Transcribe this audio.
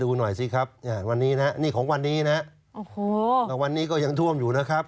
ดูหน่อยสิครับนี่ของวันนี้นะวันนี้ก็ยังท่วมอยู่นะครับ